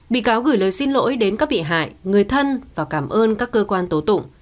bị cáo gửi lời xin lỗi đến các bị hại người thân và cảm ơn các cơ quan tố tụng